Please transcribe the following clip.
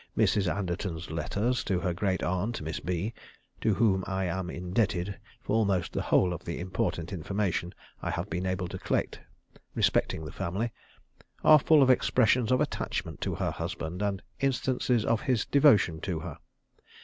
Mrs. Anderton's letters to her great aunt, Miss B (to whom I am indebted for almost the whole of the important information I have been able to collect respecting the family) are full of expressions of attachment to her husband and instances of his devotion to her.